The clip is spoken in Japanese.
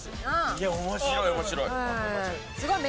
いや面白い面白い。